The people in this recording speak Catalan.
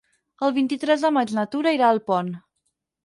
El vint-i-tres de maig na Tura irà a Alpont.